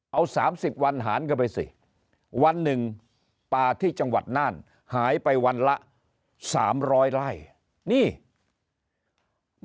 เอา๓๐วันหารเข้าไปสิวันหนึ่งป่าที่จังหวัดน่านหายไปวันละ๓๐๐ไร่นี่มันเกิดอะไรนะครับ